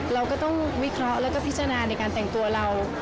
เราก็ต้องวิเคราะห์แล้วก็พิจารณาในการแต่งตัวเรา